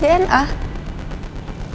coba golongan darah kamu apa